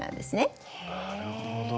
なるほど。